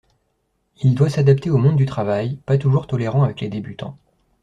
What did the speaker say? Il doit s'adapter au monde du travail pas toujours tolérant avec les débutants.